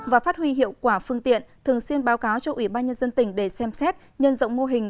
và phát huy hiệu quả phương tiện thường xuyên báo cáo cho ủy ban nhân dân tỉnh để xem xét nhân rộng mô hình